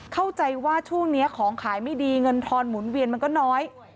เข้าใจว่าช่วงนี้ของขายไม่ดีเงินทอนหมุนเวียนมันก็น้อย